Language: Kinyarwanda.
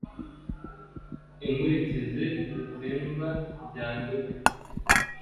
Inkurikizi z'itsindwa rya Nduga